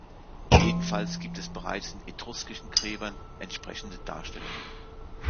Jedenfalls gibt es bereits in etruskischen Gräbern entsprechende Darstellungen.